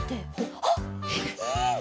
あっいいね！